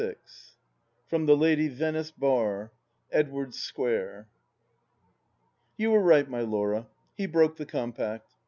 XXVI From The Lady Venice Bar Bdwaedes Sqctabb. You were right, my Laura, he broke the compact.